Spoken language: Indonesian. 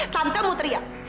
tante mau teriak